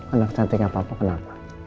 anak cantiknya papa kenapa